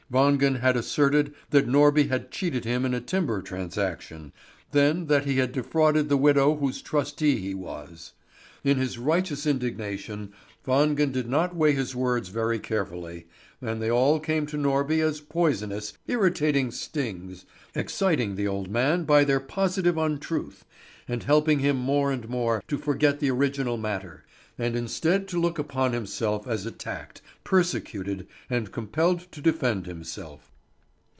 Wangen had asserted that Norby had cheated him in a timber transaction; then that he had defrauded the widow whose trustee he was. In his righteous indignation, Wangen did not weigh his words very carefully, and they all came to Norby as poisonous, irritating stings, exciting the old man by their positive untruth, and helping him more and more to forget the original matter, and instead to look upon himself as attacked, persecuted, and compelled to defend himself.